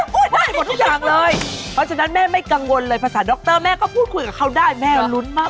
เพราะฉะนั้นแม่ไม่กังวลเลยภาษาด็อกเตอร์แม่ก็พูดคุยกับเขาได้แม่ลุ้นมาก